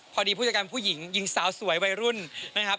ผู้จัดการผู้หญิงหญิงสาวสวยวัยรุ่นนะครับ